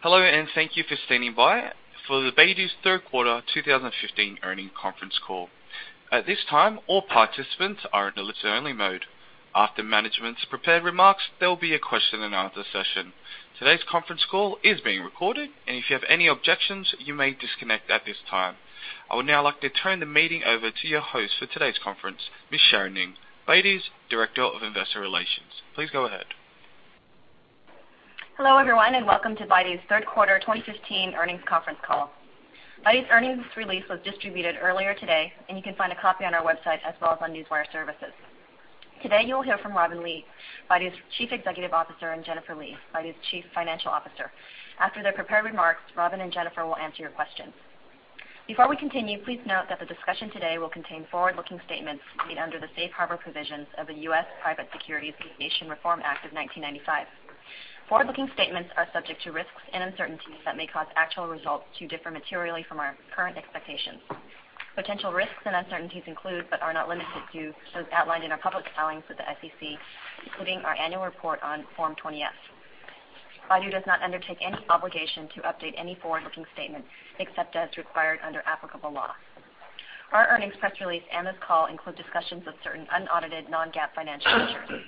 Hello, everyone, and thank you for standing by for Baidu's third quarter 2015 earnings conference call. At this time, all participants are in a listen-only mode. After management's prepared remarks, there will be a question and answer session. Today's conference call is being recorded, and if you have any objections, you may disconnect at this time. I would now like to turn the meeting over to your host for today's conference, Ms. Sharon Ng, Baidu's Director of Investor Relations. Please go ahead. Hello everyone. Welcome to Baidu's third quarter 2015 earnings conference call. Baidu's earnings release was distributed earlier today, and you can find a copy on our website as well as on newswire services. Today you will hear from Robin Li, Baidu's Chief Executive Officer, and Jennifer Li, Baidu's Chief Financial Officer. After their prepared remarks, Robin and Jennifer will answer your questions. Before we continue, please note that the discussion today will contain forward-looking statements made under the Safe Harbor Provisions of the U.S. Private Securities Litigation Reform Act of 1995. Forward-looking statements are subject to risks and uncertainties that may cause actual results to differ materially from our current expectations. Potential risks and uncertainties include, but are not limited to, those outlined in our public filings with the SEC, including our annual report on Form 20-F. Baidu does not undertake any obligation to update any forward-looking statements except as required under applicable law. Our earnings press release and this call include discussions of certain unaudited non-GAAP financial measures.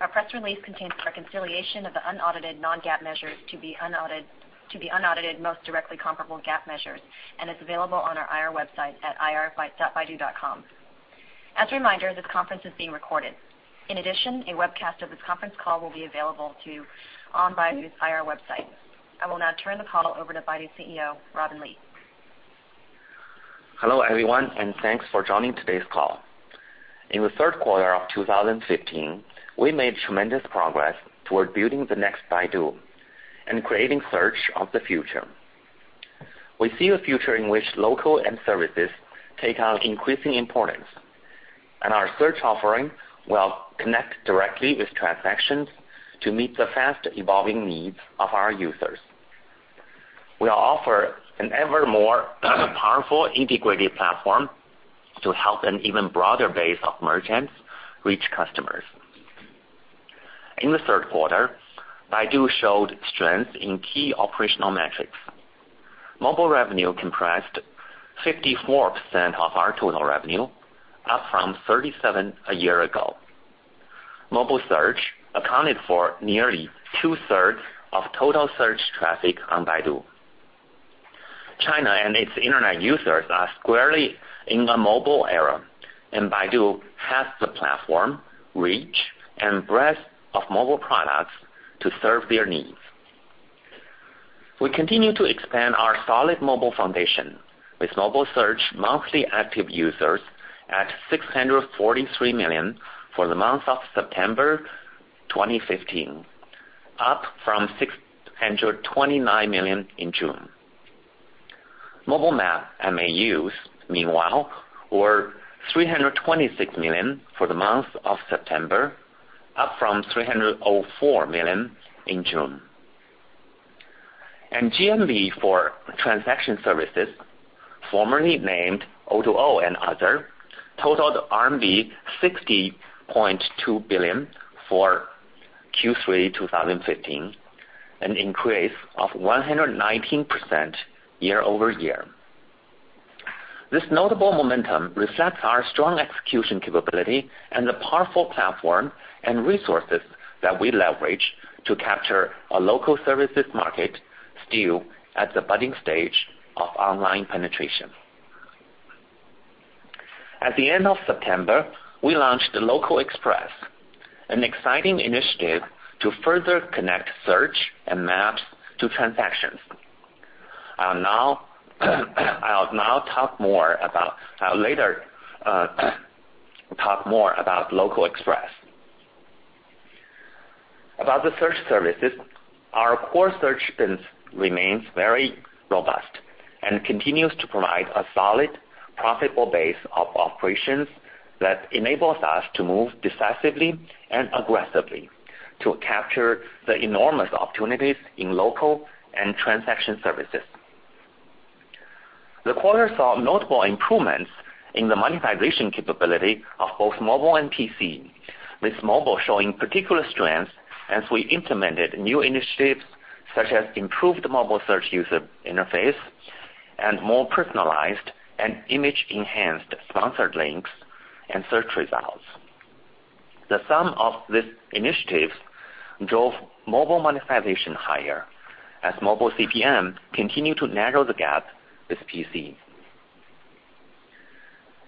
Our press release contains a reconciliation of the unaudited non-GAAP measures to the unaudited most directly comparable GAAP measures and is available on our IR website at ir.baidu.com. As a reminder, this conference is being recorded. In addition, a webcast of this conference call will be available on Baidu's IR website. I will now turn the call over to Baidu's CEO, Robin Li. Hello, everyone. Thanks for joining today's call. In the third quarter of 2015, we made tremendous progress toward building the next Baidu and creating search of the future. We see a future in which local and services take on increasing importance, and our search offering will connect directly with transactions to meet the fast evolving needs of our users. We offer an ever more powerful integrated platform to help an even broader base of merchants reach customers. In the third quarter, Baidu showed strength in key operational metrics. Mobile revenue comprised 54% of our total revenue, up from 37% a year ago. Mobile search accounted for nearly two-thirds of total search traffic on Baidu. China and its Internet users are squarely in the mobile era, and Baidu has the platform, reach, and breadth of mobile products to serve their needs. We continue to expand our solid mobile foundation with mobile search monthly active users at 643 million for the month of September 2015, up from 629 million in June. Mobile map MAUs, meanwhile, were 326 million for the month of September, up from 304 million in June. GMV for Transaction services, formerly named O2O and Other, totaled RMB 60.2 billion for Q3 2015, an increase of 119% year-over-year. This notable momentum reflects our strong execution capability and the powerful platform and resources that we leverage to capture a local services market still at the budding stage of online penetration. At the end of September, we launched the Local Express, an exciting initiative to further connect search and maps to transactions. I'll later talk more about Local Express. About the Search services, our core search business remains very robust and continues to provide a solid, profitable base of operations that enables us to move decisively and aggressively to capture the enormous opportunities in local and Transaction services. The quarter saw notable improvements in the monetization capability of both mobile and PC, with mobile showing particular strength as we implemented new initiatives such as improved mobile search user interface and more personalized and image-enhanced sponsored links and search results. The sum of these initiatives drove mobile monetization higher as mobile CPM continued to narrow the gap with PC.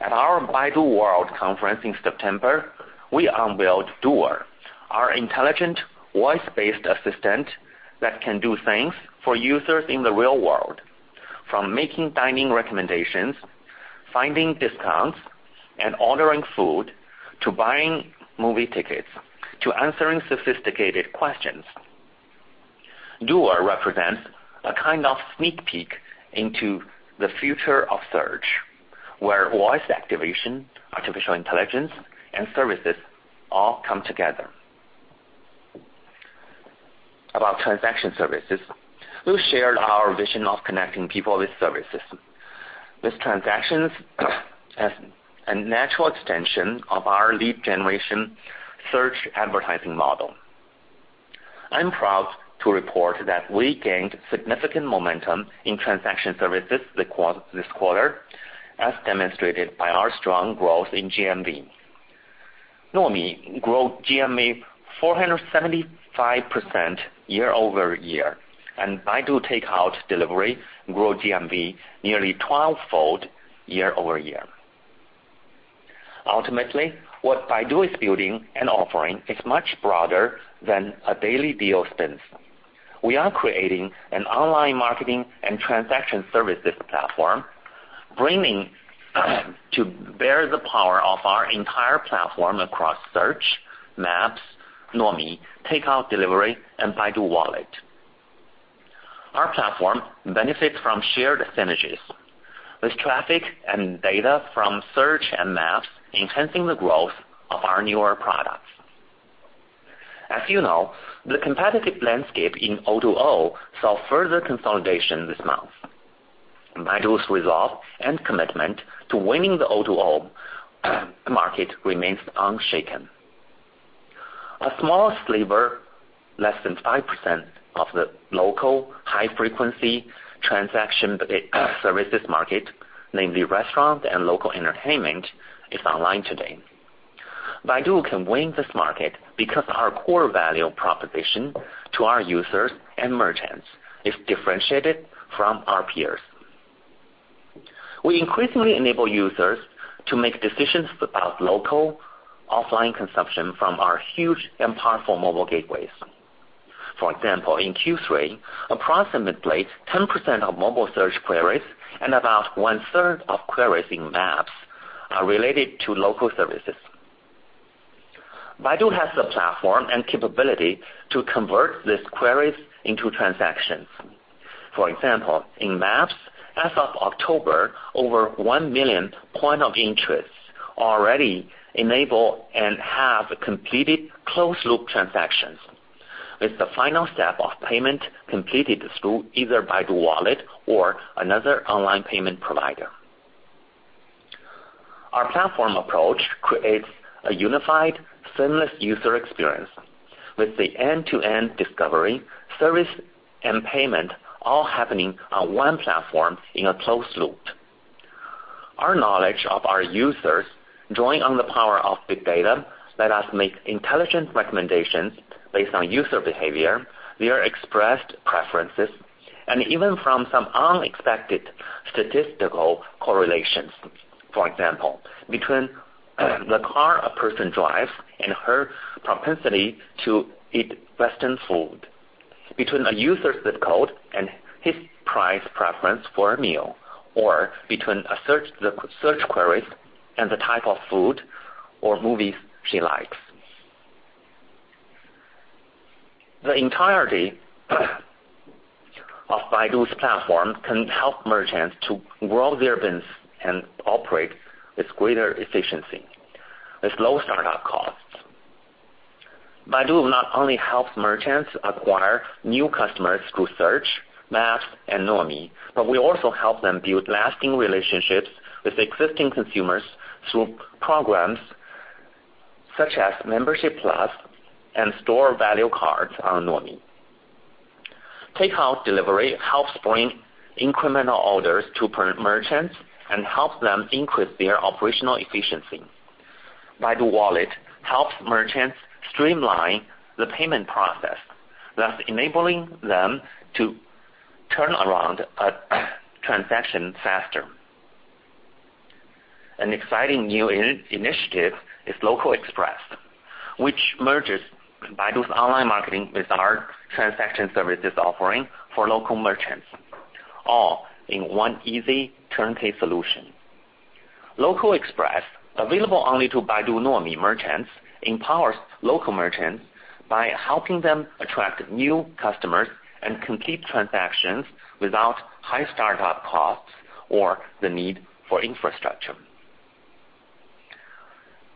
At our Baidu World Conference in September, we unveiled Duer, our intelligent voice-based assistant that can do things for users in the real world, from making dining recommendations, finding discounts, and ordering food to buying movie tickets, to answering sophisticated questions. Duer represents a kind of sneak peek into the future of search, where voice activation, artificial intelligence, and services all come together. About Transaction services, we shared our vision of connecting people with services. This transaction is a natural extension of our lead generation search advertising model. I'm proud to report that we gained significant momentum in Transaction services this quarter, as demonstrated by our strong growth in GMV. Nuomi grew GMV 475% year-over-year, and Baidu Takeout Delivery grew GMV nearly twelvefold year-over-year. Ultimately, what Baidu is building and offering is much broader than a daily deal spin. We are creating an online marketing and Transaction services platform bringing to bear the power of our entire platform across search, maps, Nuomi, Baidu Takeout Delivery, and Baidu Wallet. Our platform benefits from shared synergies. With traffic and data from search and maps enhancing the growth of our newer products. As you know, the competitive landscape in O2O saw further consolidation this month. Baidu's resolve and commitment to winning the O2O market remains unshaken. A small sliver, less than 5% of the local high-frequency Transaction services market, namely restaurant and local entertainment, is online today. Baidu can win this market because our core value proposition to our users and merchants is differentiated from our peers. We increasingly enable users to make decisions about local offline consumption from our huge and powerful mobile gateways. For example, in Q3, approximately 10% of mobile search queries and about one-third of queries in maps are related to local services. Baidu has the platform and capability to convert these queries into transactions. For example, in maps, as of October, over 1 million point of interests are already enabled and have completed closed-loop transactions. With the final step of payment completed through either Baidu Wallet or another online payment provider. Our platform approach creates a unified, seamless user experience with the end-to-end discovery, service, and payment all happening on one platform in a closed loop. Our knowledge of our users, drawing on the power of big data, let us make intelligent recommendations based on user behavior, their expressed preferences, and even from some unexpected statistical correlations. For example, between the car a person drives and her propensity to eat Western food, between a user's ZIP code and his price preference for a meal, or between the search queries and the type of food or movies she likes. The entirety of Baidu's platform can help merchants to grow their business and operate with greater efficiency with low startup costs. Baidu not only helps merchants acquire new customers through search, maps, and Nuomi, but we also help them build lasting relationships with existing consumers through programs such as Membership Plus and store value cards on Nuomi. Takeout Delivery helps bring incremental orders to merchants and helps them increase their operational efficiency. Baidu Wallet helps merchants streamline the payment process, thus enabling them to turn around a transaction faster. An exciting new initiative is Local Express, which merges Baidu's online marketing with our Transaction services offering for local merchants, all in one easy turnkey solution. Local Express, available only to Baidu Nuomi merchants, empowers local merchants by helping them attract new customers and complete transactions without high startup costs or the need for infrastructure.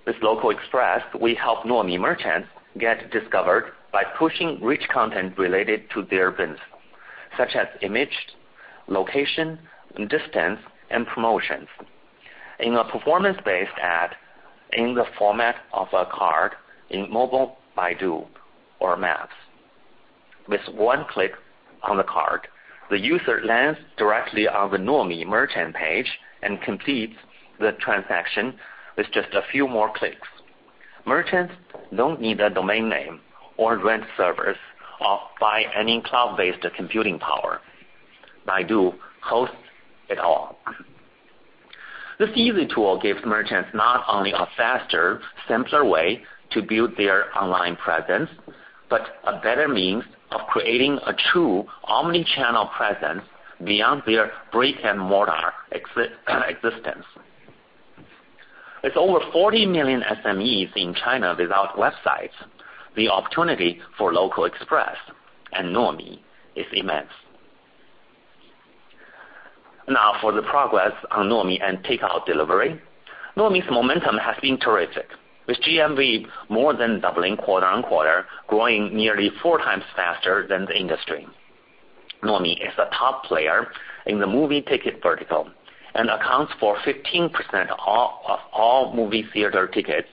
With Local Express, we help Nuomi merchants get discovered by pushing rich content related to their business, such as image, location, distance, and promotions in a performance-based ad in the format of a card in mobile Baidu or maps. With one click on the card, the user lands directly on the Nuomi merchant page and completes the transaction with just a few more clicks. Merchants don't need a domain name or rent servers or buy any cloud-based computing power. Baidu hosts it all. This easy tool gives merchants not only a faster, simpler way to build their online presence, but a better means of creating a true omni-channel presence beyond their brick-and-mortar existence. With over 40 million SMEs in China without websites, the opportunity for Local Express and Nuomi is immense. Now for the progress on Nuomi and Takeout Delivery. Nuomi's momentum has been terrific, with GMV more than doubling quarter-on-quarter, growing nearly four times faster than the industry. Nuomi is a top player in the movie ticket vertical and accounts for 15% of all movie theater tickets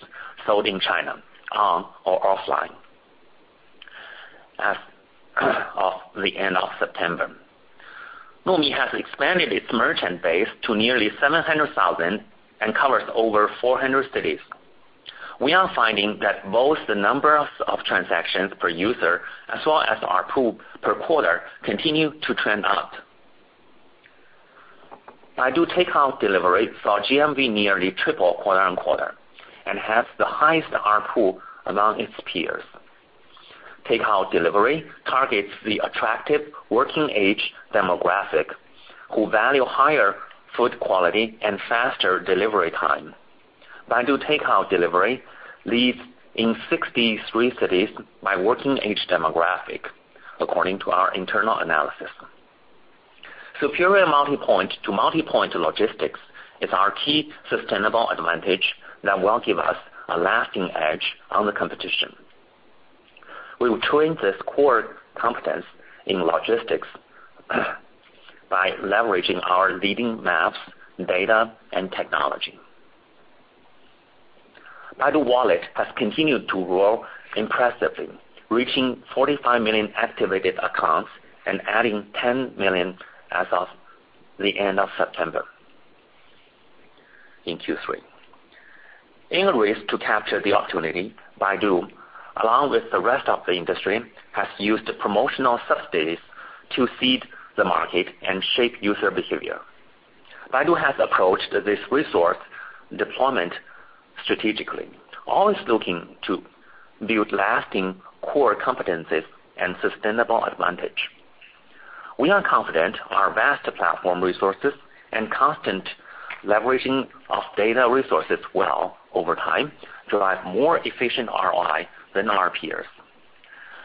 sold in China on or offline as of the end of September. Nuomi has expanded its merchant base to nearly 700,000 and covers over 400 cities. We are finding that both the numbers of transactions per user, as well as ARPU per quarter, continue to trend up. Baidu Takeout Delivery saw GMV nearly triple quarter-on-quarter and has the highest ARPU among its peers. Takeout Delivery targets the attractive working-age demographic, who value higher food quality and faster delivery time. Baidu Takeout Delivery leads in 63 cities by working-age demographic, according to our internal analysis. Superior multi-point to multi-point logistics is our key sustainable advantage that will give us a lasting edge on the competition. We will train this core competence in logistics by leveraging our leading maps, data, and technology. Baidu Wallet has continued to grow impressively, reaching 45 million activated accounts and adding 10 million as of the end of September in Q3. In a race to capture the opportunity, Baidu, along with the rest of the industry, has used promotional subsidies to seed the market and shape user behavior. Baidu has approached this resource deployment strategically, always looking to build lasting core competencies and sustainable advantage. We are confident our vast platform resources and constant leveraging of data resources will, over time, drive more efficient ROI than our peers.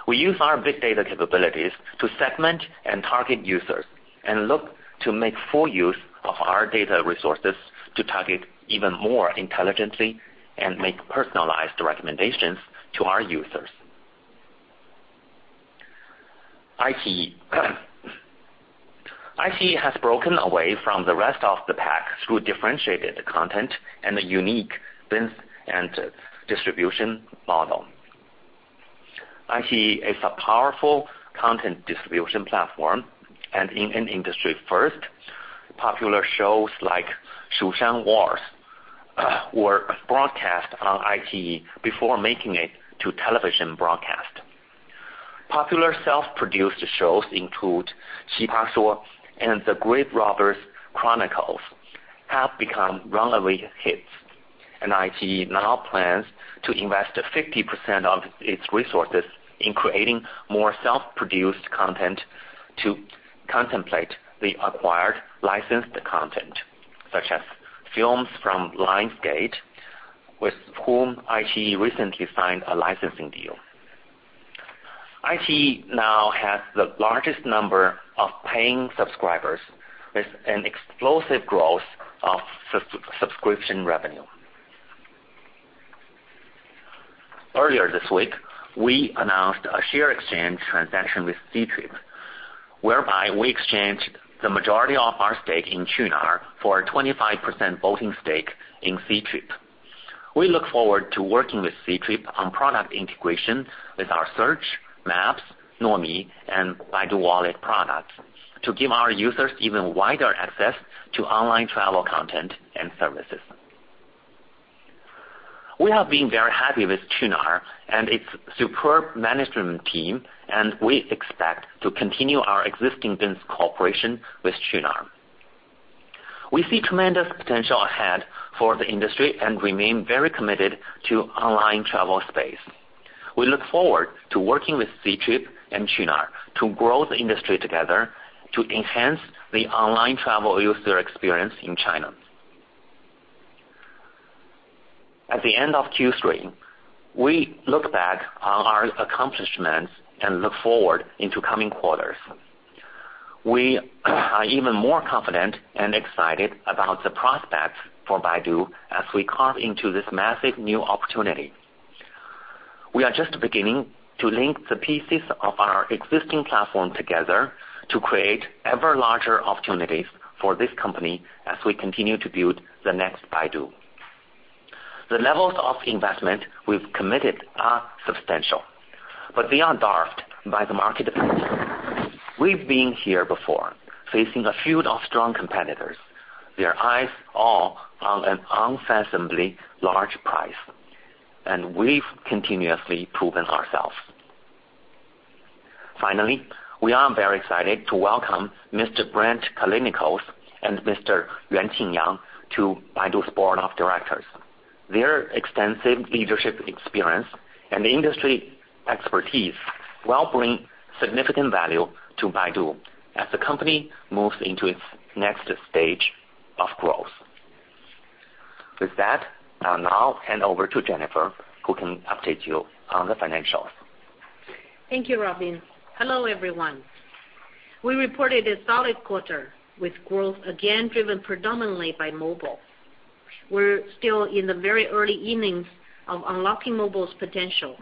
We use our big data capabilities to segment and target users and look to make full use of our data resources to target even more intelligently and make personalized recommendations to our users. iQIYI has broken away from the rest of the pack through differentiated content and a unique binge and distribution model. iQIYI is a powerful content distribution platform, and in an industry first, popular shows like "Shu Shan Zhan Ji" were broadcast on iQIYI before making it to television broadcast. Popular self-produced shows include "Qipa Shuo" and "Grave Robbers' Chronicles" have become runaway hits, and iQIYI now plans to invest 50% of its resources in creating more self-produced content to contemplate the acquired licensed content, such as films from Lionsgate, with whom iQIYI recently signed a licensing deal. iQIYI now has the largest number of paying subscribers, with an explosive growth of subscription revenue. Earlier this week, we announced a share exchange transaction with Ctrip, whereby we exchanged the majority of our stake in Qunar for a 25% voting stake in Ctrip. We look forward to working with Ctrip on product integration with our search, Baidu Maps, Nuomi, and Baidu Wallet products to give our users even wider access to online travel content and services. We have been very happy with Qunar and its superb management team, and we expect to continue our existing business cooperation with Qunar. We see tremendous potential ahead for the industry and remain very committed to online travel space. We look forward to working with Ctrip and Qunar to grow the industry together to enhance the online travel user experience in China. At the end of Q3, we look back on our accomplishments and look forward into coming quarters. We are even more confident and excited about the prospects for Baidu as we carve into this massive new opportunity. We are just beginning to link the pieces of our existing platform together to create ever larger opportunities for this company as we continue to build the next Baidu. The levels of investment we've committed are substantial, but they aren't daunted by the market place. We've been here before, facing a field of strong competitors, their eyes all on an unfathomably large prize. We've continuously proven ourselves. Finally, we are very excited to welcome Mr. Brent Callinicos and Mr. Yuanqing Yang to Baidu's board of directors. Their extensive leadership experience and industry expertise will bring significant value to Baidu as the company moves into its next stage of growth. With that, I'll now hand over to Jennifer, who can update you on the financials. Thank you, Robin. Hello, everyone. We reported a solid quarter with growth again driven predominantly by mobile. We're still in the very early innings of unlocking mobile's potential.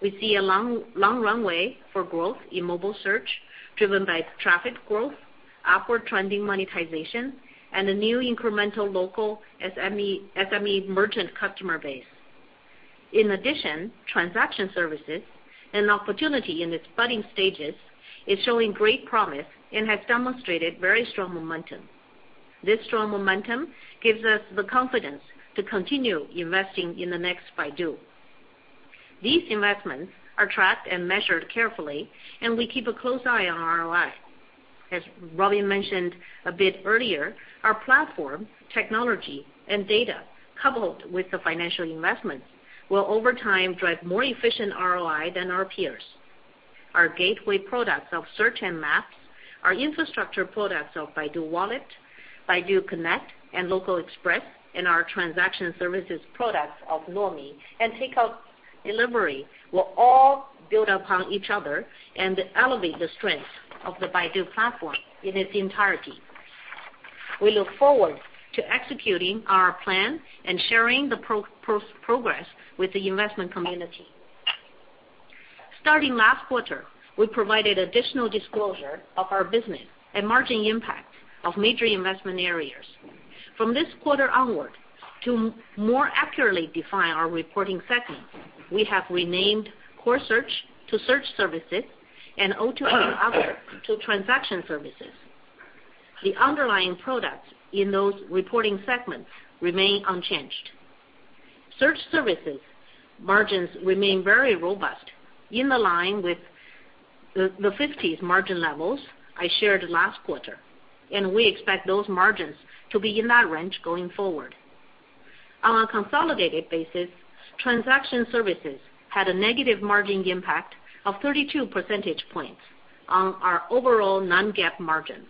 We see a long runway for growth in mobile search driven by traffic growth, upward trending monetization, and a new incremental local SME merchant customer base. In addition, transaction services, an opportunity in its budding stages, is showing great promise and has demonstrated very strong momentum. This strong momentum gives us the confidence to continue investing in the next Baidu. These investments are tracked and measured carefully, and we keep a close eye on ROI. As Robin mentioned a bit earlier, our platform, technology, and data, coupled with the financial investments, will over time drive more efficient ROI than our peers. Our gateway products of Search and Maps, our infrastructure products of Baidu Wallet, Baidu Connect, and Local Express, and our transaction services products of Nuomi and Takeout Delivery will all build upon each other and elevate the strength of the Baidu platform in its entirety. We look forward to executing our plan and sharing the progress with the investment community. Starting last quarter, we provided additional disclosure of our business and margin impact of major investment areas. From this quarter onward, to more accurately define our reporting segments, we have renamed Core Search to Search Services and O2O Other to Transaction Services. The underlying products in those reporting segments remain unchanged. Search Services margins remain very robust, in line with the 50s margin levels I shared last quarter, and we expect those margins to be in that range going forward. On a consolidated basis, Transaction Services had a negative margin impact of 32 percentage points on our overall non-GAAP margins.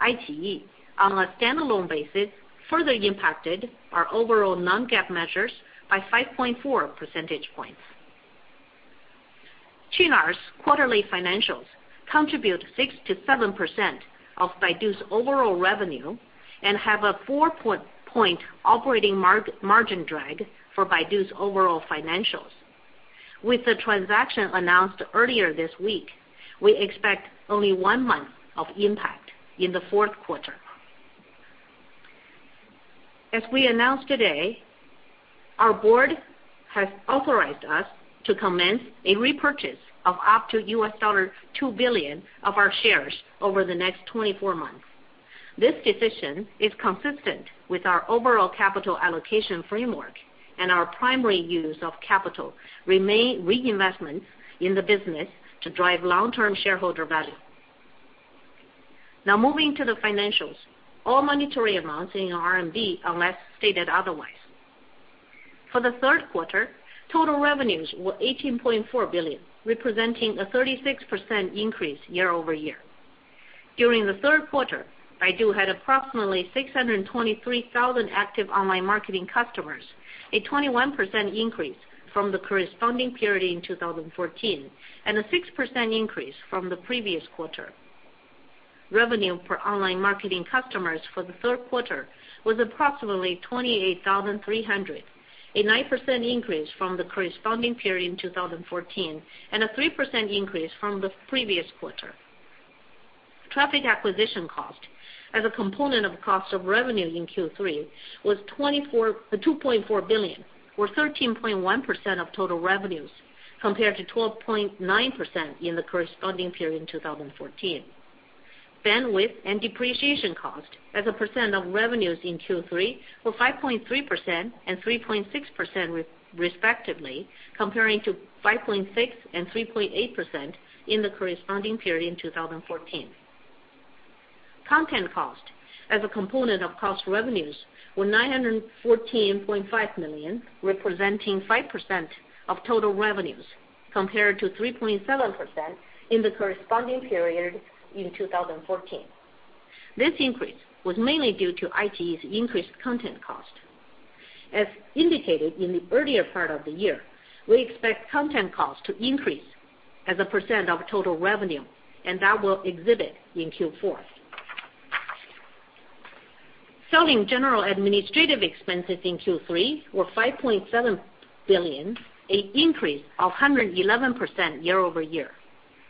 iQIYI, on a standalone basis, further impacted our overall non-GAAP measures by 5.4 percentage points. Qunar's quarterly financials contribute 6%-7% of Baidu's overall revenue and have a four-point operating margin drag for Baidu's overall financials. With the transaction announced earlier this week, we expect only one month of impact in the fourth quarter. As we announced today, our board has authorized us to commence a repurchase of up to $2 billion of our shares over the next 24 months. This decision is consistent with our overall capital allocation framework and our primary use of capital remain reinvestments in the business to drive long-term shareholder value. Now, moving to the financials, all monetary amounts in RMB unless stated otherwise. For the third quarter, total revenues were 18.4 billion, representing a 36% increase year-over-year. During the third quarter, Baidu had approximately 623,000 active online marketing customers, a 21% increase from the corresponding period in 2014, and a 6% increase from the previous quarter. Revenue per online marketing customers for the third quarter was approximately 28,300, a 9% increase from the corresponding period in 2014 and a 3% increase from the previous quarter. Traffic Acquisition Cost as a component of cost of revenue in Q3 was 2.4 billion, or 13.1% of total revenues, compared to 12.9% in the corresponding period in 2014. Bandwidth and Depreciation Cost as a % of revenues in Q3 were 5.3% and 3.6%, respectively, comparing to 5.6% and 3.8% in the corresponding period in 2014. Content cost as a component of cost revenues were 914.5 million, representing 5% of total revenues, compared to 3.7% in the corresponding period in 2014. This increase was mainly due to iQIYI's increased content cost. As indicated in the earlier part of the year, we expect content costs to increase as a % of total revenue, and that will exhibit in Q4. Selling general administrative expenses in Q3 were 5.7 billion, an increase of 111% year-over-year.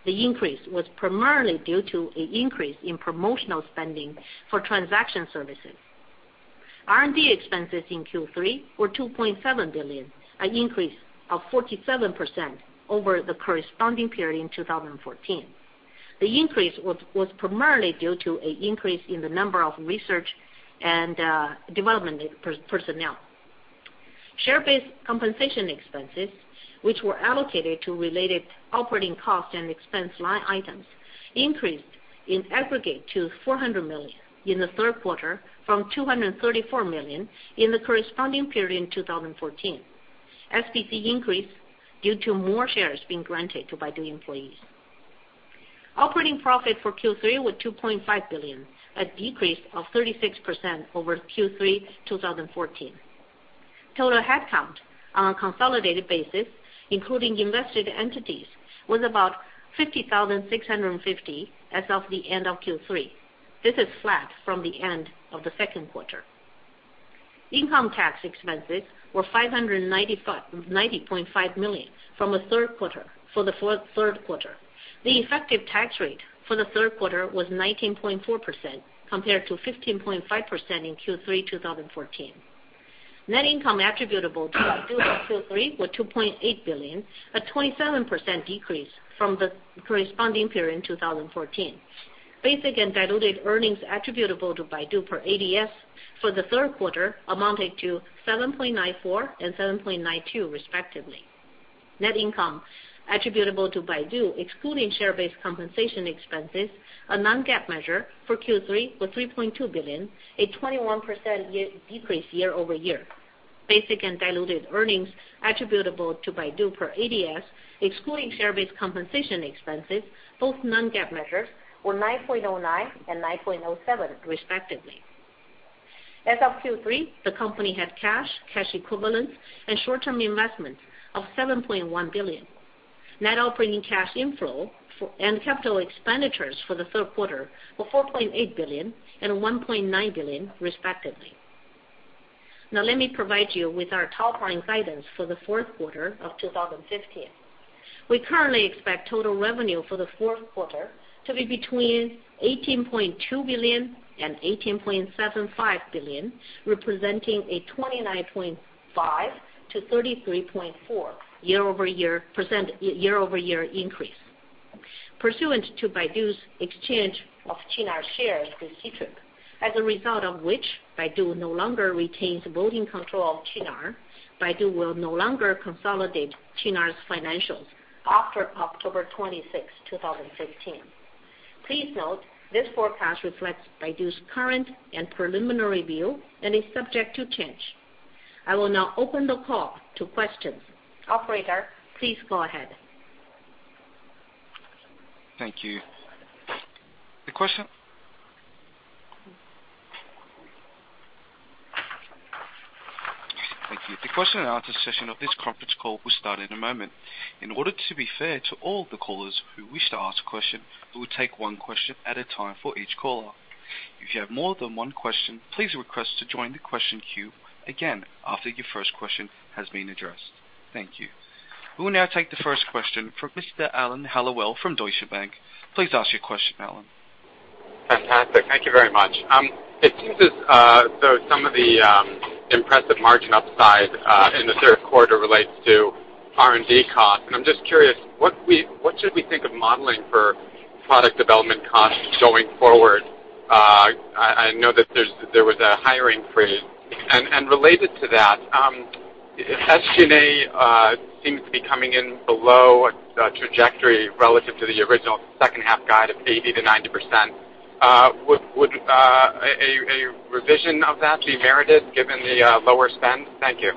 The increase was primarily due to an increase in promotional spending for Transaction services. R&D expenses in Q3 were 2.7 billion, an increase of 47% over the corresponding period in 2014. The increase was primarily due to an increase in the number of research and development personnel. Share-based compensation expenses, which were allocated to related operating costs and expense line items, increased in aggregate to 400 million in the third quarter from 234 million in the corresponding period in 2014. SBC increased due to more shares being granted to Baidu employees. Operating profit for Q3 was 2.5 billion, a decrease of 36% over Q3 2014. Total headcount on a consolidated basis, including invested entities, was about 50,650 as of the end of Q3. This is flat from the end of the second quarter. Income tax expenses were 590.5 million for the third quarter. The effective tax rate for the third quarter was 19.4% compared to 15.5% in Q3 2014. Net income attributable to Baidu for Q3 was 2.8 billion, a 27% decrease from the corresponding period in 2014. Basic and diluted earnings attributable to Baidu per ADS for the third quarter amounted to 7.94 and 7.92 respectively. Net income attributable to Baidu excluding share-based compensation expenses, a non-GAAP measure, for Q3 was 3.2 billion, a 21% decrease year-over-year. Basic and diluted earnings attributable to Baidu per ADS excluding share-based compensation expenses, both non-GAAP measures, were 9.09 and 9.07 respectively. As of Q3, the company had cash equivalents, and short-term investments of 7.1 billion. Net operating cash inflow and capital expenditures for the third quarter were 4.8 billion and 1.9 billion respectively. Now let me provide you with our top-line guidance for the fourth quarter of 2015. We currently expect total revenue for the fourth quarter to be between 18.2 billion and 18.75 billion, representing a 29.5%-33.4% year-over-year increase. Pursuant to Baidu's exchange of Qunar shares with Ctrip, as a result of which Baidu no longer retains voting control of Qunar, Baidu will no longer consolidate Qunar's financials after October 26th, 2015. Please note this forecast reflects Baidu's current and preliminary view and is subject to change. I will now open the call to questions. Operator, please go ahead. Thank you. The question and answer session of this conference call will start in a moment. In order to be fair to all the callers who wish to ask a question, we will take one question at a time for each caller. If you have more than one question, please request to join the question queue again after your first question has been addressed. Thank you. We will now take the first question from Mr. Alan Hellawell from Deutsche Bank. Please ask your question, Alan. Fantastic. Thank you very much. It seems as though some of the impressive margin upside in the third quarter relates to R&D costs. I'm just curious, what should we think of modeling for product development costs going forward? I know that there was a hiring freeze. Related to that, SG&A seems to be coming in below trajectory relative to the original second half guide of 80%-90%. Would a revision of that be merited given the lower spend? Thank you.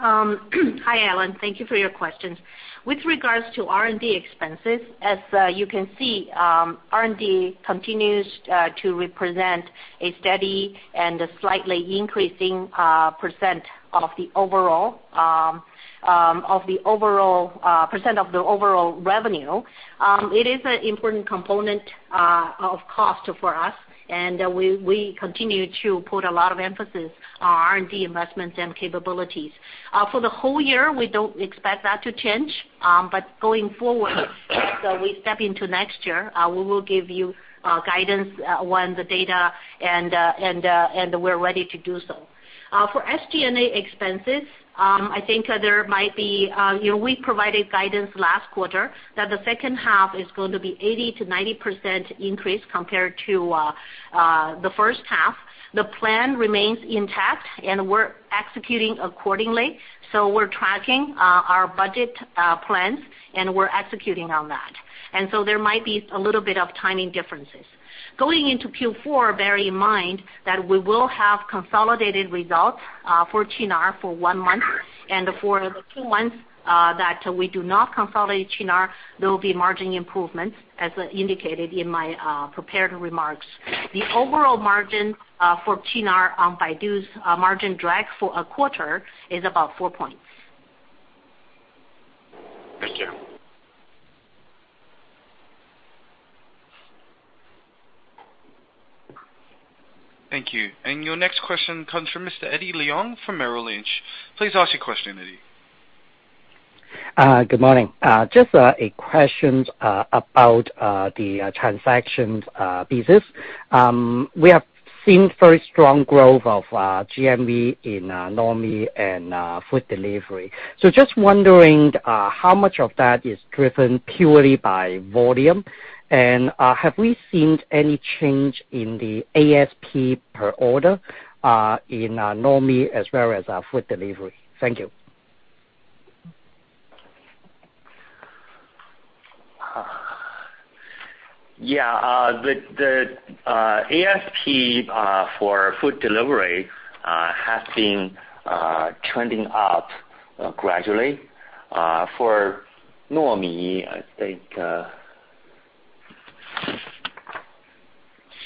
Hi, Alan. Thank you for your questions. With regards to R&D expenses, as you can see, R&D continues to represent a steady and a slightly increasing % of the overall revenue. It is an important component of cost for us, and we continue to put a lot of emphasis on R&D investments and capabilities. For the whole year, we don't expect that to change, going forward, as we step into next year, we will give you guidance when the data and we're ready to do so. For SG&A expenses, we provided guidance last quarter that the second half is going to be 80%-90% increase compared to the first half. The plan remains intact, and we're executing accordingly. We're tracking our budget plans, and we're executing on that. There might be a little bit of timing differences. Going into Q4, bear in mind that we will have consolidated results for Qunar for one month. For the two months that we do not consolidate Qunar, there will be margin improvements as indicated in my prepared remarks. The overall margin for Qunar on Baidu's margin drag for a quarter is about four points. Thank you. Thank you. Your next question comes from Mr. Eddie Leung from Merrill Lynch. Please ask your question, Eddie. Good morning. Just a question about the transactions business. We have seen very strong growth of GMV in Nuomi and food delivery. Just wondering how much of that is driven purely by volume, and have we seen any change in the ASP per order in Nuomi as well as our food delivery? Thank you. Yeah. The ASP for food delivery has been trending up gradually. For Nuomi, I think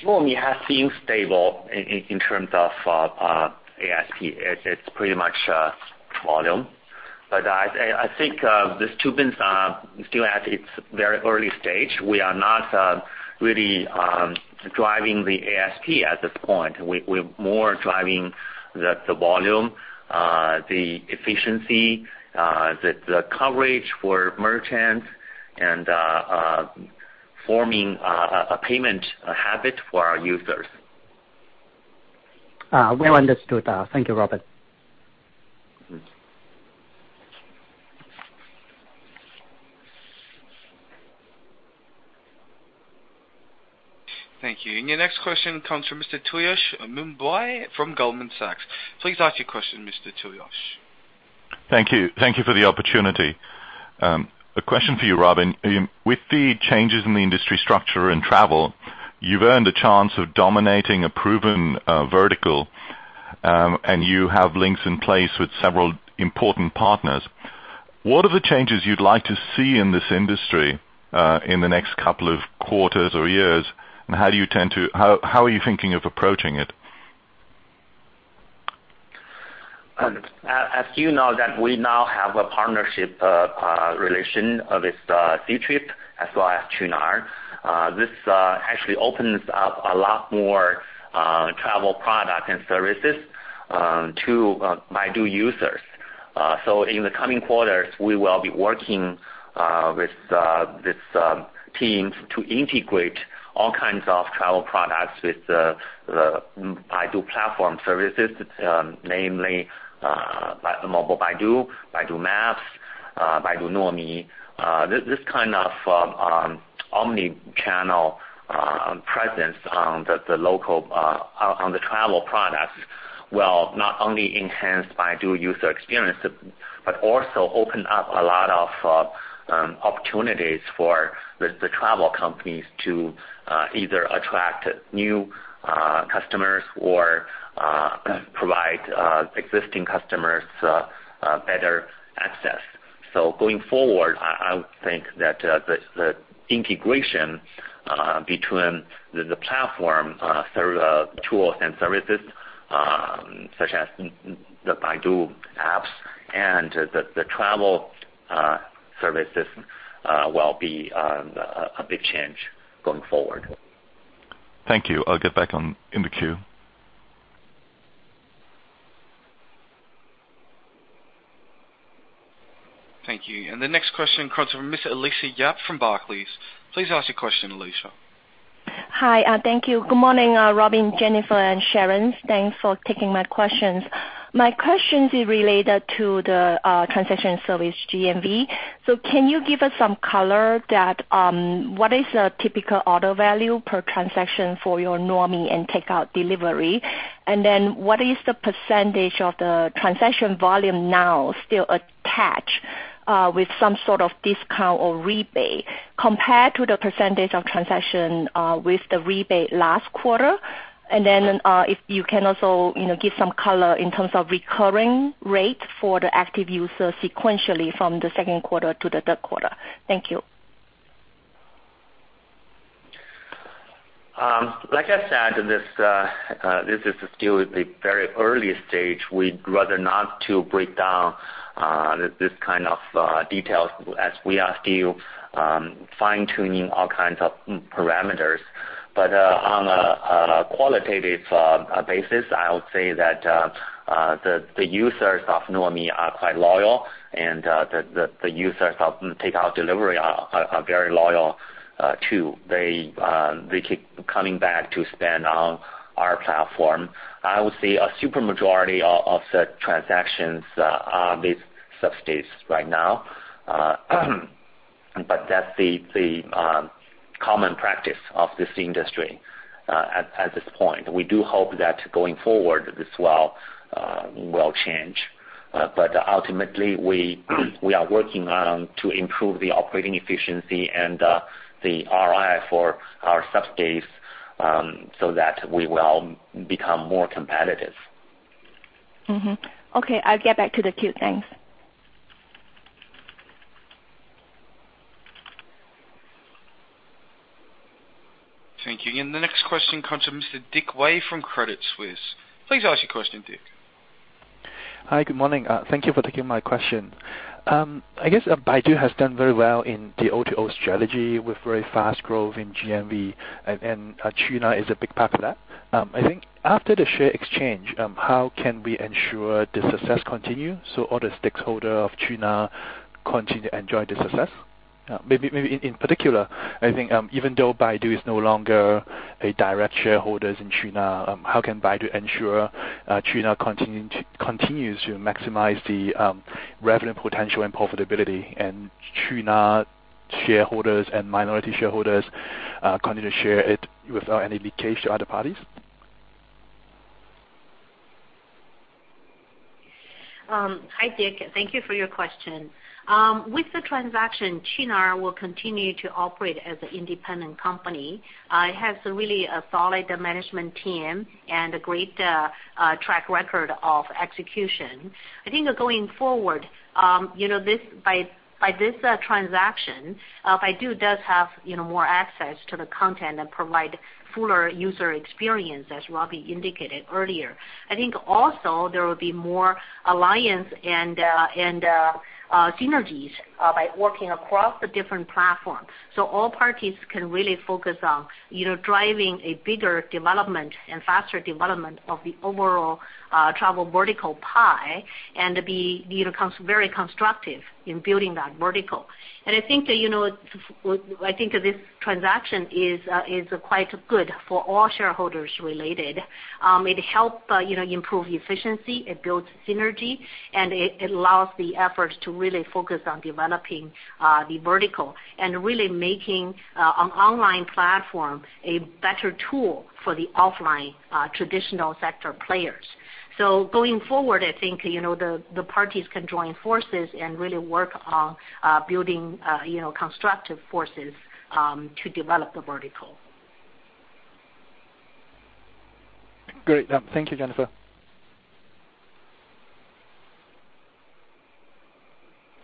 Nuomi has been stable in terms of ASP. It's pretty much volume. I think this, too, is still at its very early stage. We are not really driving the ASP at this point. We're more driving the volume, the efficiency, the coverage for merchants and forming a payment habit for our users. Well understood. Thank you, Robin. Thank you. Your next question comes from Mr. Piyush Mubayi from Goldman Sachs. Please ask your question, Mr. Piyush. Thank you. Thank you for the opportunity. A question for you, Robin. With the changes in the industry structure and travel, you've earned a chance of dominating a proven vertical, and you have links in place with several important partners. What are the changes you'd like to see in this industry, in the next couple of quarters or years, and how are you thinking of approaching it? As you know that we now have a partnership relation with Ctrip as well as Qunar. This actually opens up a lot more travel product and services to Baidu users. In the coming quarters, we will be working with these teams to integrate all kinds of travel products with the Baidu platform services, namely Baidu App, Baidu Maps, Baidu Nuomi. This kind of omni-channel presence on the travel products will not only enhance Baidu user experience, but also open up a lot of opportunities for the travel companies to either attract new customers or provide existing customers better access. Going forward, I would think that the integration between the platform tools and services, such as the Baidu apps and the travel services will be a big change going forward. Thank you. I'll get back in the queue. Thank you. The next question comes from Miss Alicia Yap from Barclays. Please ask your question, Alicia. Hi. Thank you. Good morning, Robin, Jennifer, and Sharon. Thanks for taking my questions. My questions is related to the Transaction services GMV. Can you give us some color that, what is the typical order value per transaction for your Nuomi and Takeout Delivery? What is the percentage of the transaction volume now still attached with some sort of discount or rebate compared to the percentage of transaction with the rebate last quarter? If you can also give some color in terms of recurring rate for the active user sequentially from the second quarter to the third quarter. Thank you. Like I said, this is still at the very early stage. We'd rather not to break down this kind of details as we are still fine-tuning all kinds of parameters. On a qualitative basis, I would say that the users of Nuomi are quite loyal, and the users of Takeout Delivery are very loyal, too. They keep coming back to spend on our platform. I would say a super majority of the transactions are with subsidies right now. That's the common practice of this industry at this point. We do hope that going forward, this will change. Ultimately, we are working on to improve the operating efficiency and the ROI for our subsidies, so that we will become more competitive. Mm-hmm. Okay, I'll get back to the queue. Thanks. Thank you. The next question comes from Mr. Dick Wei from Credit Suisse. Please ask your question, Dick. Hi. Good morning. Thank you for taking my question. I guess Baidu has done very well in the O2O strategy with very fast growth in GMV. Qunar is a big part of that. I think after the share exchange, how can we ensure the success continue so all the stakeholder of Qunar continue to enjoy the success? Maybe in particular, I think even though Baidu is no longer a direct shareholder in Qunar, how can Baidu ensure Qunar continues to maximize the revenue potential and profitability, and Qunar shareholders and minority shareholders continue to share it without any leakage to other parties? Hi, Dick. Thank you for your question. With the transaction, Qunar will continue to operate as an independent company. It has really a solid management team and a great track record of execution. I think going forward, by this transaction, Baidu does have more access to the content and provide fuller user experience, as Robin indicated earlier. I think also there will be more alliance and synergies by working across the different platforms. All parties can really focus on driving a bigger development and faster development of the overall travel vertical pie and be very constructive in building that vertical. I think this transaction is quite good for all shareholders related. It help improve efficiency, it builds synergy, and it allows the efforts to really focus on developing the vertical and really making an online platform a better tool for the offline traditional sector players. going forward, I think, the parties can join forces and really work on building constructive forces to develop the vertical. Great. Thank you, Jennifer.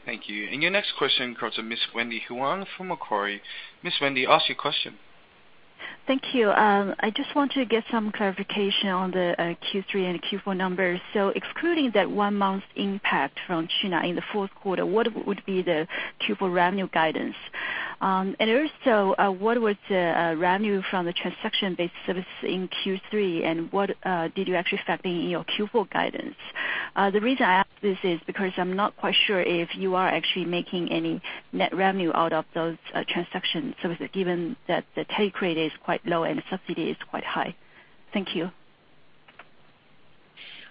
Thank you. Your next question comes from Ms. Wendy Huang from Macquarie. Ms. Wendy, ask your question. Thank you. I just want to get some clarification on the Q3 and Q4 numbers. Excluding that one month impact from Qunar in the fourth quarter, what would be the Q4 revenue guidance? Also, what was the revenue from the transaction-based service in Q3, and what did you actually factor in your Q4 guidance? The reason I ask this is because I'm not quite sure if you are actually making any net revenue out of those transaction services, given that the take rate is quite low and the subsidy is quite high. Thank you.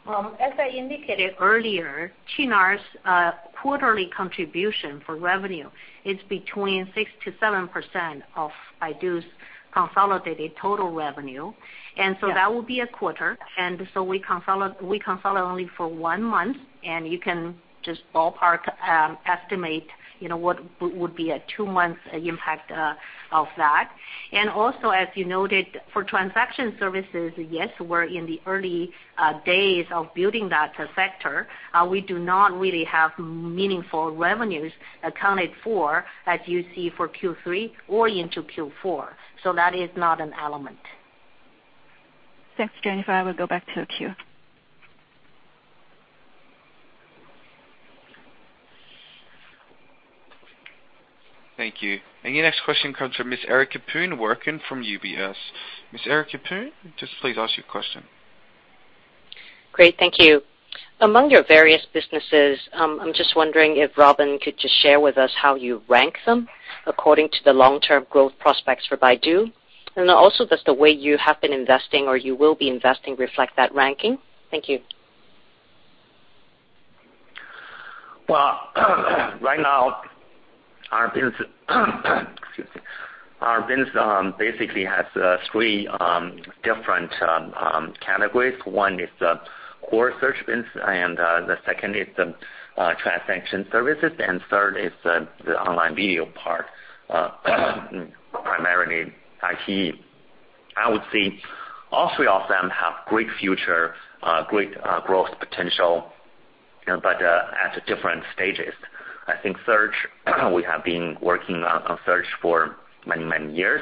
As I indicated earlier, Qunar's quarterly contribution for revenue is between 6%-7% of Baidu's consolidated total revenue. That will be a quarter. We consolidate only for one month, and you can just ballpark estimate what would be a two-month impact of that. Also, as you noted, for Transaction services, yes, we're in the early days of building that sector. We do not really have meaningful revenues accounted for, as you see for Q3 or into Q4. That is not an element. Thanks, Jennifer. I will go back to the queue. Thank you. Your next question comes from Ms. Erica Poon Werkun from UBS. Ms. Erica Poon, just please ask your question. Great. Thank you. Among your various businesses, I'm just wondering if Robin could just share with us how you rank them according to the long-term growth prospects for Baidu. Also, does the way you have been investing or you will be investing reflect that ranking? Thank you. Right now, our business basically has 3 different categories. 1 is the core search business. The second is the Transaction services. The third is the online video part, primarily iQIYI. I would say all three of them have great future, great growth potential, but at different stages. I think search, we have been working on search for many, many years.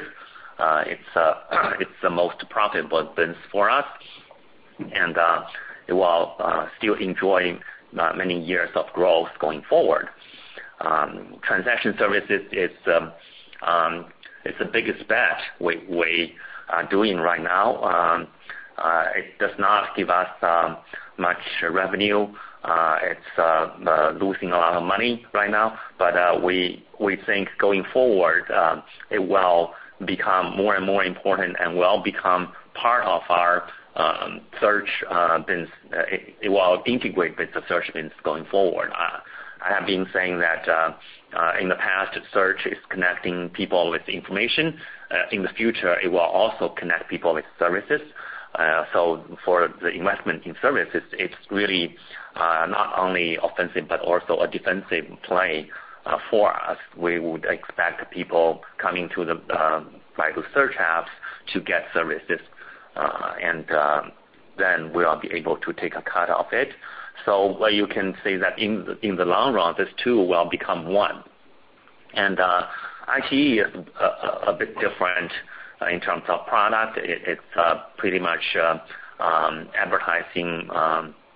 It's the most profitable business for us, and it will still enjoy many years of growth going forward. Transaction services is the biggest bet we are doing right now. It does not give us much revenue. It's losing a lot of money right now, but we think going forward, it will become more and more important and will become part of our search business. It will integrate with the search business going forward. I have been saying that in the past, search is connecting people with information. In the future, it will also connect people with services. For the investment in services, it's really not only offensive but also a defensive play for us. We would expect people coming to the Baidu search apps to get services, and then we'll be able to take a cut of it. You can say that in the long run, these two will become one. iQIYI is a bit different in terms of product. It's pretty much advertising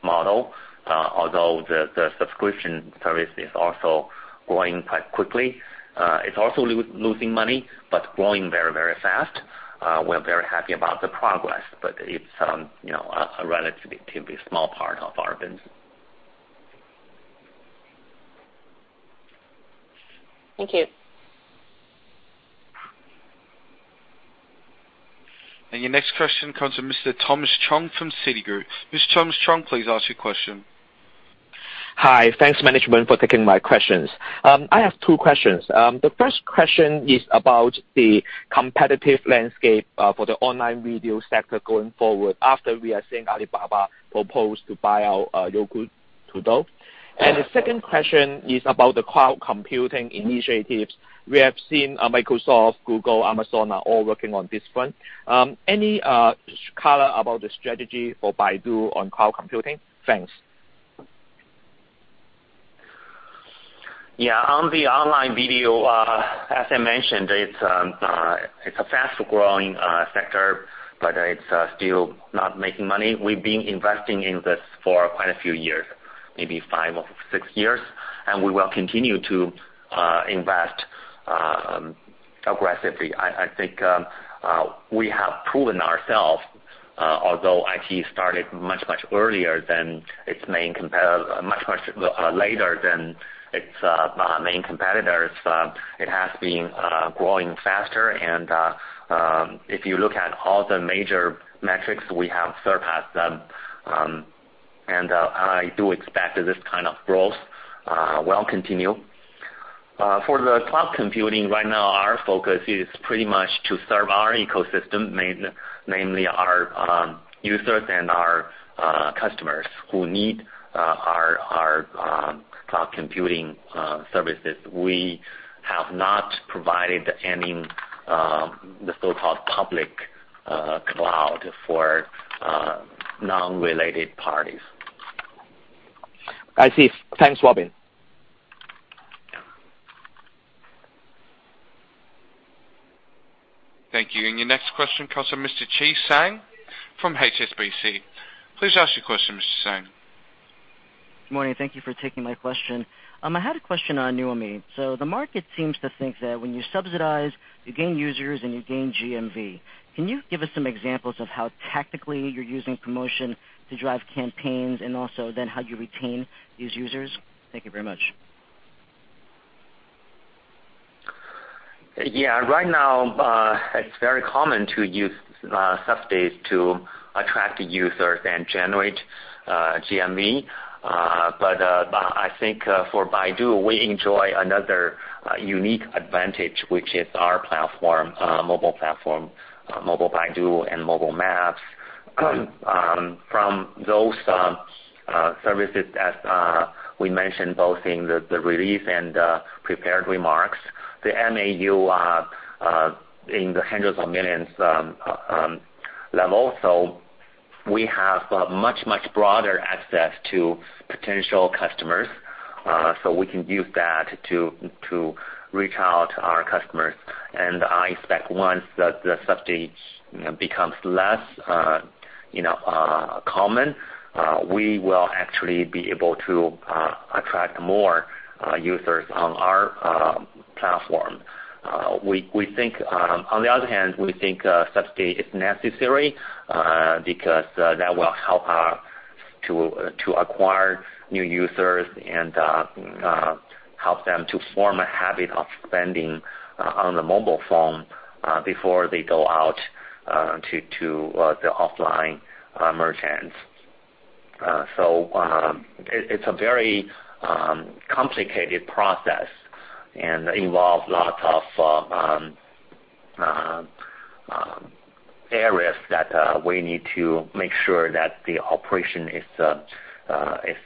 model. Although the subscription service is also growing quite quickly. It's also losing money, but growing very fast. We're very happy about the progress, but it's a relatively small part of our business. Thank you. Your next question comes from Mr. Thomas Chong from Citigroup. Mr. Thomas Chong, please ask your question. Hi. Thanks management for taking my questions. I have two questions. The first question is about the competitive landscape for the online video sector going forward after we are seeing Alibaba propose to buy out Youku Tudou. The second question is about the cloud computing initiatives. We have seen Microsoft, Google, Amazon are all working on this front. Any color about the strategy for Baidu on cloud computing? Thanks. Yeah. On the online video, as I mentioned, it's a fast-growing sector, but it's still not making money. We've been investing in this for quite a few years, maybe five or six years, and we will continue to invest aggressively. I think we have proven ourselves. Although iQIYI started much later than its main competitors, it has been growing faster and if you look at all the major metrics, we have surpassed them. I do expect that this kind of growth will continue. For the cloud computing, right now our focus is pretty much to serve our ecosystem, namely our users and our customers who need our cloud computing services. We have not provided the so-called public cloud for non-related parties. I see. Thanks, Robin. Thank you. Your next question comes from Mr. Chi Tsang from HSBC. Please ask your question, Mr. Tsang. Good morning. Thank you for taking my question. I had a question on Nuomi. The market seems to think that when you subsidize, you gain users and you gain GMV. Can you give us some examples of how tactically you're using promotion to drive campaigns and also then how you retain these users? Thank you very much. Yeah. Right now, it's very common to use subsidies to attract users and generate GMV. I think for Baidu, we enjoy another unique advantage, which is our platform, mobile platform, Baidu App and Mobile Maps. From those services that we mentioned, both in the release and prepared remarks, the MAU are in the hundreds of millions level. We have much broader access to potential customers. We can use that to reach out to our customers. I expect once the subsidies becomes less common, we will actually be able to attract more users on our platform. On the other hand, we think subsidy is necessary because that will help to acquire new users and help them to form a habit of spending on the mobile phone before they go out to the offline merchants. It's a very complicated process and involves lots of areas that we need to make sure that the operation is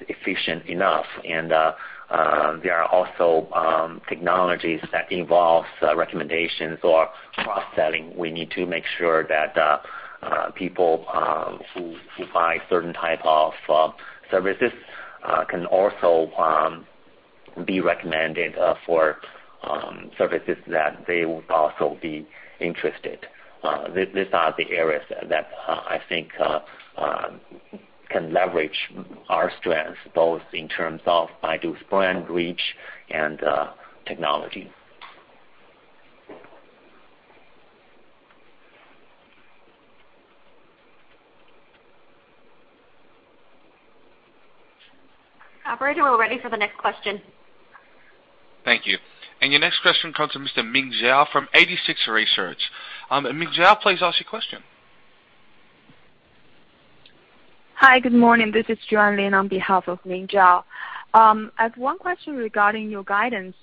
efficient enough. There are also technologies that involve recommendations or cross-selling. We need to make sure that people who buy certain type of services can also be recommended for services that they would also be interested. These are the areas that I think can leverage our strengths, both in terms of Baidu's brand reach and technology. Operator, we're ready for the next question. Thank you. Your next question comes from Mr. Ming Zhao from 86Research. Ming Zhao, please ask your question. Hi, good morning. This is Juan Lin on behalf of Ming Zhao. I have one question regarding your guidance.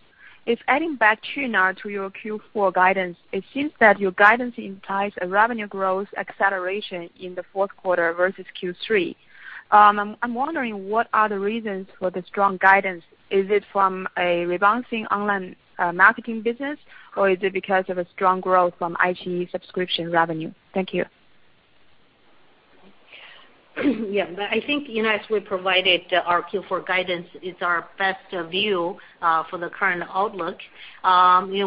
If adding back Qunar to your Q4 guidance, it seems that your guidance implies a revenue growth acceleration in the fourth quarter versus Q3. I'm wondering, what are the reasons for the strong guidance? Is it from a rebounding online marketing business, or is it because of a strong growth from iQIYI subscription revenue? Thank you. Yeah. I think as we provided our Q4 guidance, it's our best view for the current outlook.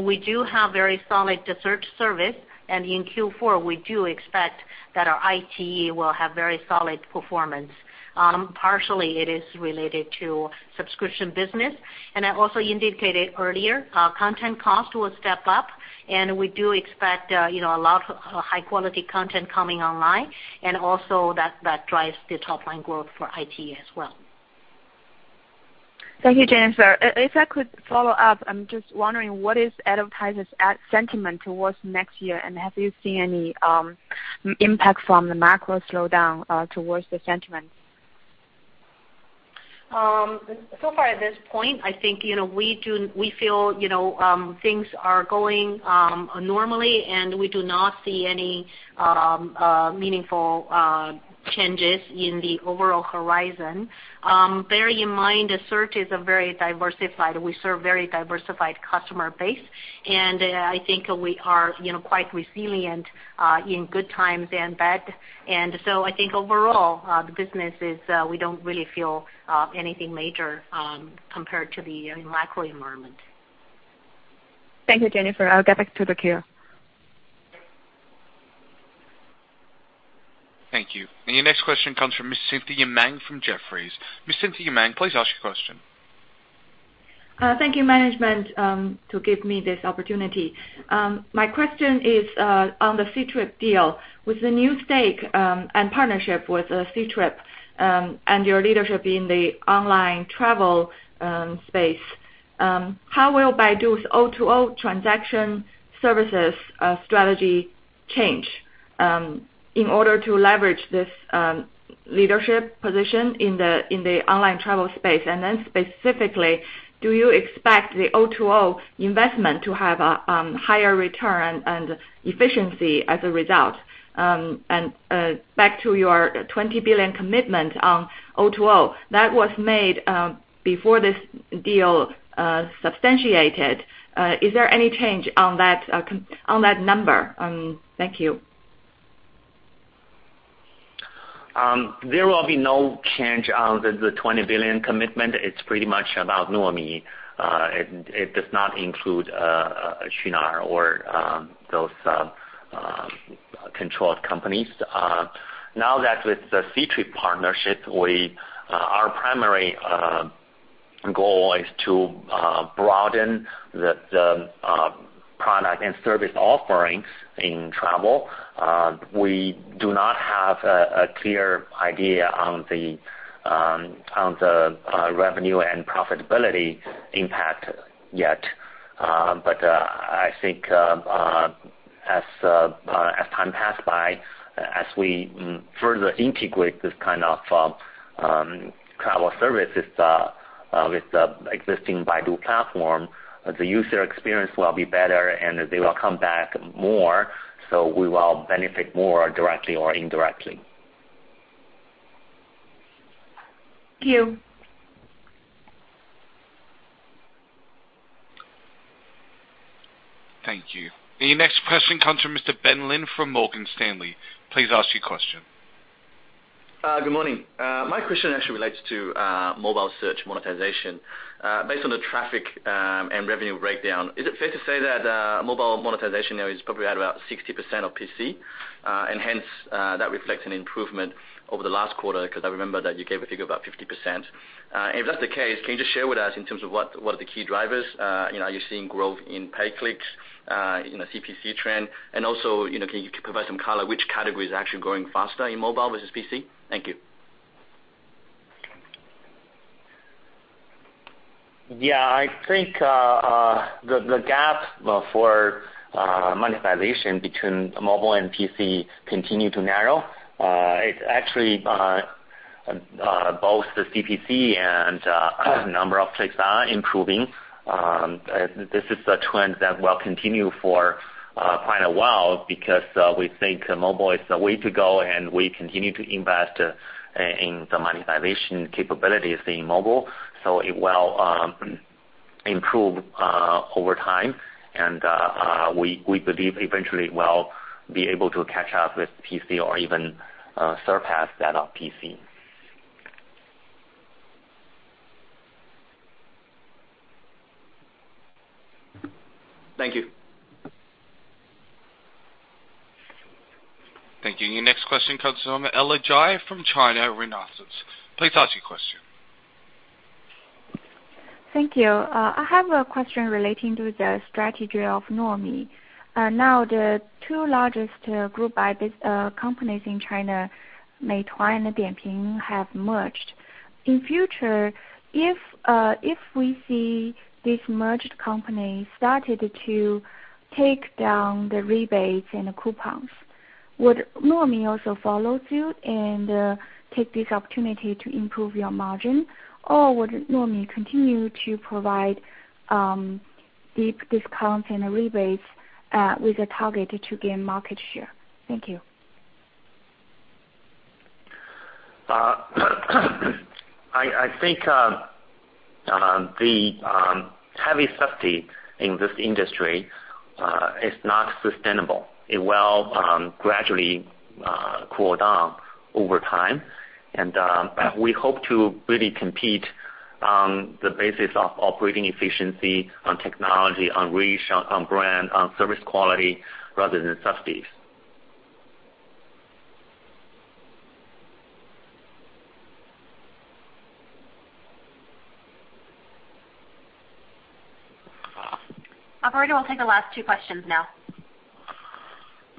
We do have very solid Search services, in Q4, we do expect that our iQIYI will have very solid performance. Partially, it is related to subscription business. I also indicated earlier, our content cost will step up and we do expect a lot of high-quality content coming online and also that drives the top-line growth for iQIYI as well. Thank you, Jennifer. If I could follow up, I'm just wondering, what is advertisers' ad sentiment towards next year? Have you seen any impact from the macro slowdown towards the sentiment? So far at this point, I think we feel things are going normally. We do not see any meaningful changes in the overall horizon. Bear in mind, Search is very diversified. We serve very diversified customer base. I think we are quite resilient in good times and bad. I think overall, the business is we don't really feel anything major compared to the macro environment. Thank you, Jennifer. I'll get back to the queue. Thank you. Your next question comes from Miss Cynthia Meng from Jefferies. Miss Cynthia Meng, please ask your question. Thank you, management, to give me this opportunity. My question is on the Ctrip deal. With the new stake and partnership with Ctrip, your leadership in the online travel space, how will Baidu's O2O transaction services strategy change in order to leverage this leadership position in the online travel space? Specifically, do you expect the O2O investment to have a higher return and efficiency as a result? Back to your 20 billion commitment on O2O, that was made before this deal substantiated. Is there any change on that number? Thank you. There will be no change on the 20 billion commitment. It's pretty much about Nuomi. It does not include Qunar or those controlled companies. With the Ctrip partnership, our primary goal is to broaden the product and service offerings in travel. We do not have a clear idea on the revenue and profitability impact yet. I think as time passes by, as we further integrate this kind of travel services with the existing Baidu platform, the user experience will be better, and they will come back more, we will benefit more directly or indirectly. Thank you. Thank you. The next question comes from Mr. Ben Lin from Morgan Stanley. Please ask your question. Good morning. My question actually relates to mobile search monetization. Based on the traffic and revenue breakdown, is it fair to say that mobile monetization now is probably at about 60% of PC, hence that reflects an improvement over the last quarter? I remember that you gave a figure of about 50%. If that's the case, can you just share with us in terms of what are the key drivers? Are you seeing growth in pay clicks, CPC trend? Also, can you provide some color, which category is actually growing faster in mobile versus PC? Thank you. Yeah, I think the gap for monetization between mobile and PC continue to narrow. It's actually both the CPC and number of clicks are improving. This is the trend that will continue for quite a while because we think mobile is the way to go, and we continue to invest in the monetization capabilities in mobile. It will improve over time, and we believe eventually it will be able to catch up with PC or even surpass that of PC. Thank you. Thank you. Your next question comes from Ella Ji from China Renaissance. Please ask your question. Thank you. I have a question relating to the strategy of Nuomi. The two largest group buy companies in China, Meituan and Dianping, have merged. In future, if we see this merged company started to take down the rebates and coupons, would Nuomi also follow suit and take this opportunity to improve your margin? Would Nuomi continue to provide deep discounts and rebates with a target to gain market share? Thank you. I think the heavy subsidy in this industry is not sustainable. It will gradually cool down over time, we hope to really compete on the basis of operating efficiency, on technology, on reach, on brand, on service quality, rather than subsidies. Operator, we'll take the last two questions now.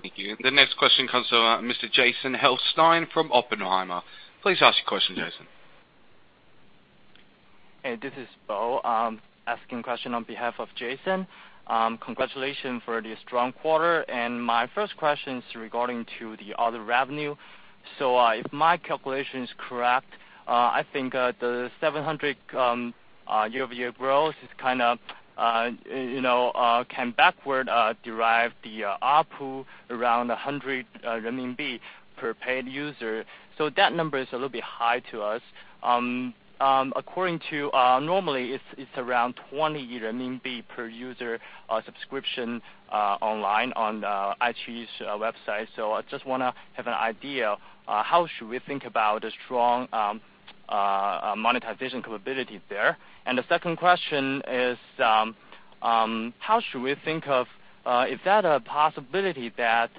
Thank you. The next question comes from Mr. Jason Helfstein from Oppenheimer. Please ask your question, Jason. Hey, this is Bo, asking question on behalf of Jason. Congratulations for the strong quarter. My first question is regarding to the other revenue. If my calculation is correct, I think the 700 year-over-year growth can backward derive the ARPU around 100 RMB per paid user. That number is a little bit high to us. Normally, it's around 20 RMB per user subscription online on iQIYI's website. I just want to have an idea, how should we think about a strong monetization capability there? The second question is, how should we think of, is that a possibility that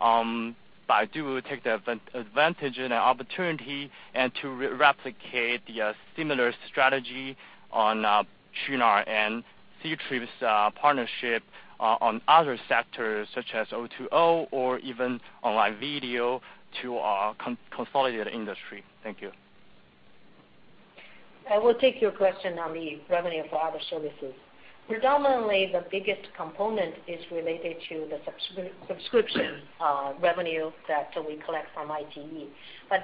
Baidu will take the advantage and the opportunity and to replicate the similar strategy on Qunar and Ctrip's partnership on other sectors such as O2O or even online video to consolidate industry? Thank you. I will take your question on the revenue for other services. Predominantly, the biggest component is related to the subscription revenue that we collect from iQIYI.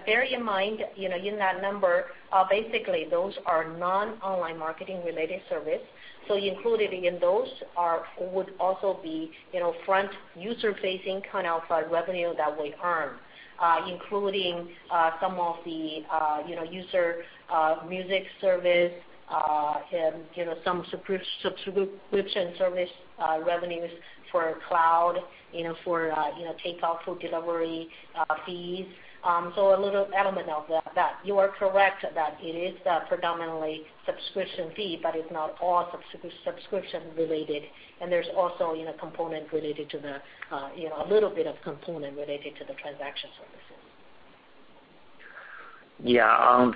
Bear in mind, in that number, basically, those are non-online marketing related service. Included in those would also be front user-facing kind of revenue that we earn, including some of the user music service, and some subscription service revenues for cloud, for takeout food delivery fees. A little element of that. You are correct that it is predominantly subscription fee, but it's not all subscription related. There's also a little bit of component related to the Transaction services. On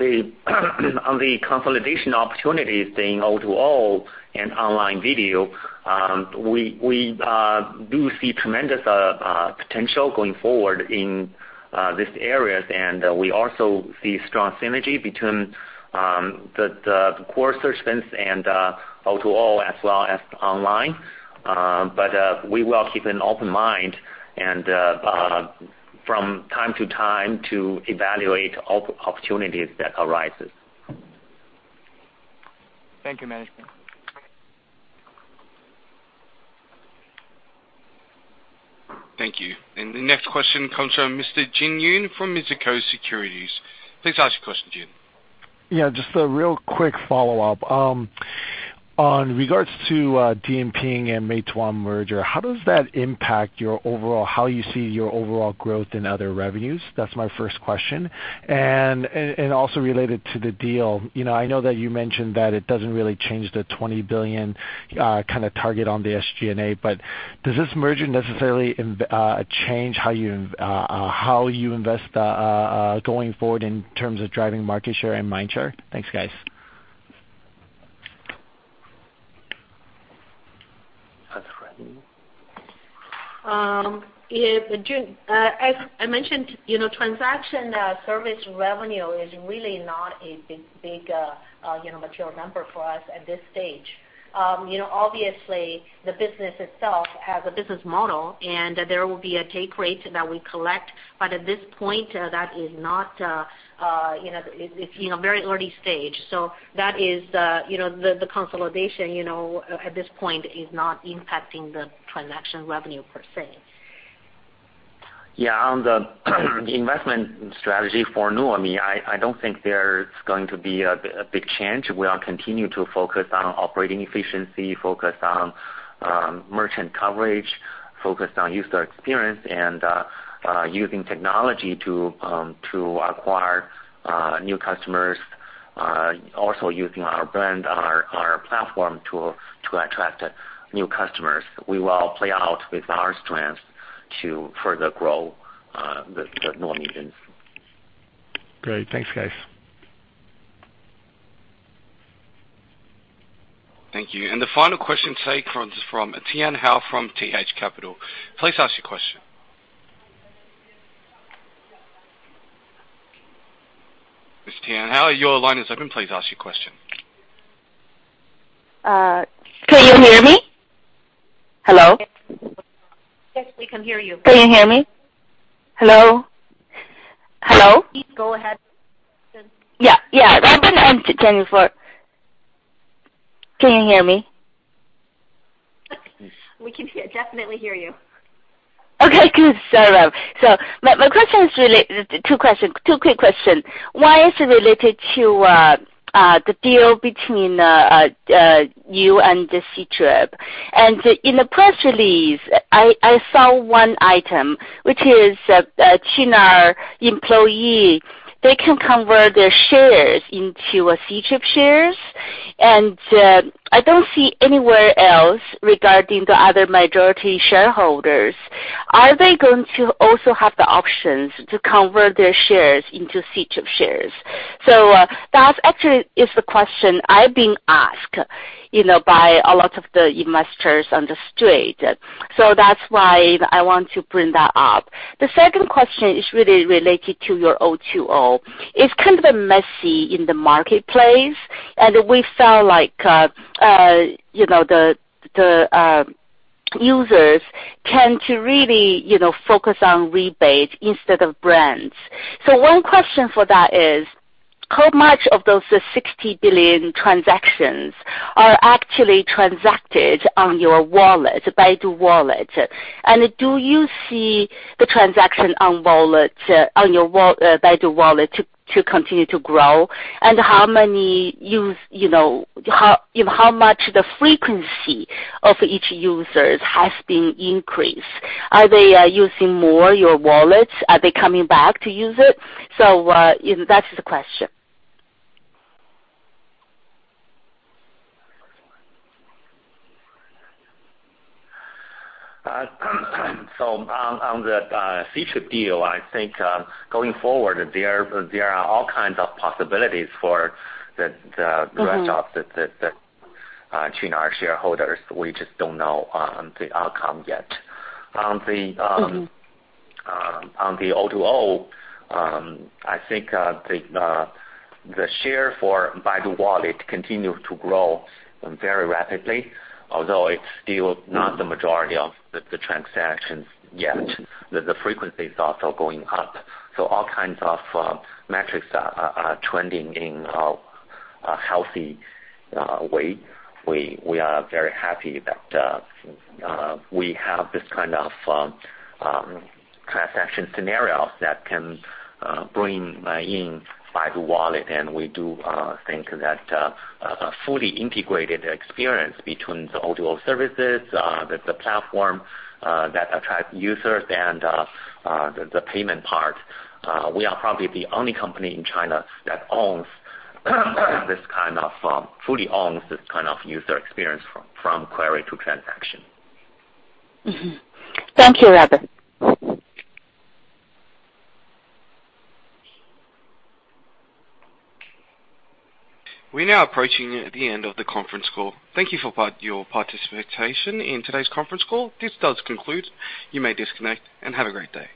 the consolidation opportunity being O2O and online video, we do see tremendous potential going forward in these areas, and we also see strong synergy between the core search business and O2O as well as online. We will keep an open mind and from time to time to evaluate opportunities that arises. Thank you, management. Thank you. The next question comes from Mr. Jin Yoon from Mizuho Securities. Please ask your question, Jin. Yeah, just a real quick follow-up. On regards to Dianping and Meituan merger, how does that impact how you see your overall growth in other revenues? That's my first question. Also related to the deal, I know that you mentioned that it doesn't really change the 20 billion target on the SG&A, but does this merger necessarily change how you invest going forward in terms of driving market share and mind share? Thanks, guys. That's for Annie. Jin, as I mentioned, transaction service revenue is really not a big material number for us at this stage. Obviously, the business itself has a business model, and there will be a take rate that we collect. At this point, it's very early stage. The consolidation at this point is not impacting the transaction revenue, per se. Yeah, on the investment strategy for Nuomi, I don't think there's going to be a big change. We are continuing to focus on operating efficiency, focus on merchant coverage, focus on user experience, and using technology to acquire new customers. Also using our brand, our platform to attract new customers. We will play out with our strengths to further grow the Nuomi business. Great. Thanks, guys. Thank you. The final question today comes from Tian Hou from TH Capital. Please ask your question. Ms. Tian Hou, your line is open. Please ask your question. Can you hear me? Hello? Yes, we can hear you. Can you hear me? Hello? Hello? Please go ahead. Yeah. Robin, I'm Tian Hou. Can you hear me? We can definitely hear you. Okay, good. My question is really two quick questions. One is related to the deal between you and Ctrip. In the press release, I saw one item, which is Qunar employee, they can convert their shares into Ctrip shares, and I don't see anywhere else regarding the other majority shareholders. Are they going to also have the options to convert their shares into Ctrip shares? That actually is the question I've been asked by a lot of the investors on the street. That's why I want to bring that up. The second question is really related to your O2O. It's kind of messy in the marketplace, and we felt like the users tend to really focus on rebates instead of brands. One question for that is, how much of those 60 billion transactions are actually transacted on your wallet, Baidu Wallet? Do you see the transaction on Baidu Wallet to continue to grow? How much the frequency of each user has been increased? Are they using your wallet more? Are they coming back to use it? That's the question. On the Ctrip deal, I think going forward, there are all kinds of possibilities for the- rest of the Qunar shareholders. We just don't know the outcome yet. On the O2O, I think the share for Baidu Wallet continue to grow very rapidly, although it's still not the majority of the transactions yet. The frequency is also going up. All kinds of metrics are trending in a healthy way. We are very happy that we have this kind of transaction scenario that can bring in Baidu Wallet, we do think that a fully integrated experience between the O2O services, the platform that attracts users and the payment part. We are probably the only company in China that fully owns this kind of user experience from query to transaction. Mm-hmm. Thank you, Robin. We are now approaching the end of the conference call. Thank you for your participation in today's conference call. This does conclude. You may disconnect, have a great day.